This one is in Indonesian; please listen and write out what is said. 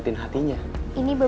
terima kasih boy